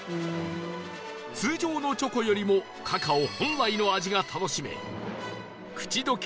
通常のチョコよりもカカオ本来の味が楽しめ口溶け